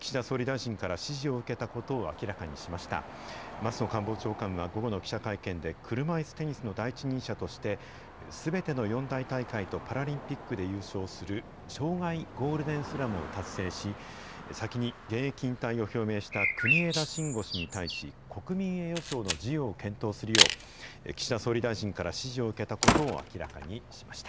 松野官房長官は午後の記者会見で、車いすテニスの第一人者として、すべての四大大会とパラリンピックで優勝する、生涯ゴールデンスラムを達成し、先に現役引退を表明した国枝慎吾氏に対し、国民栄誉賞の授与を検討するよう、岸田総理大臣から指示を受けたことを明らかにしました。